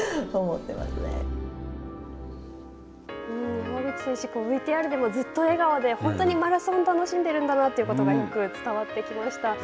山口選手、ＶＴＲでもずっと笑顔で、本当にマラソンを楽しんでいるんだなということが、よく伝わってきました。